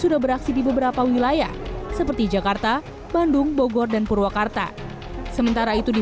sudah beraksi di beberapa wilayah seperti jakarta bandung bogor dan purwakarta sementara itu di